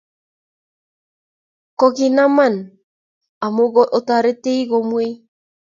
kokinaman omu ko otoret komwei